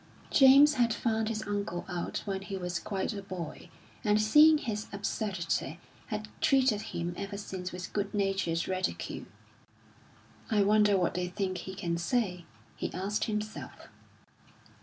James had found his uncle out when he was quite a boy, and seeing his absurdity, had treated him ever since with good natured ridicule. "I wonder what they think he can say?" he asked himself.